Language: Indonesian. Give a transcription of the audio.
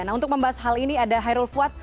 nah untuk membahas hal ini ada hairul fuad